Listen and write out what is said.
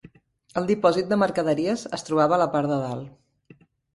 El dipòsit de mercaderies es trobava a la part de dalt.